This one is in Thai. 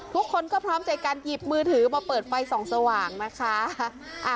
ทุกคนก็พร้อมใจการหยิบมือถือมาเปิดไฟส่องสว่างนะคะ